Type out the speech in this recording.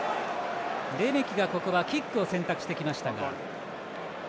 レメキがキックを選択してきましたが。